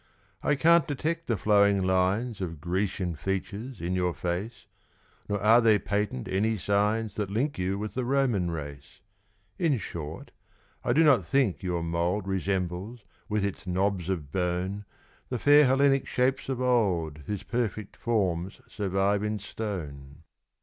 I can't detect the flowing lines Of Grecian features in your face, Nor are there patent any signs That link you with the Roman race. In short, I do not think your mould Resembles, with its knobs of bone, The fair Hellenic shapes of old Whose perfect forms survive in stone.